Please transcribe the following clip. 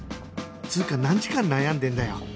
つーか何時間悩んでんだよ？